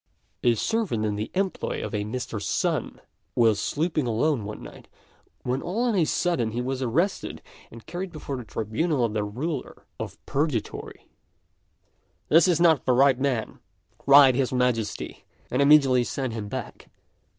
A servant in the employ of a Mr. Sun was sleeping alone one night, when all on a sudden he was arrested and carried before the tribunal of the Ruler of Purgatory. "This is not the right man," cried his Majesty, and immediately sent him back.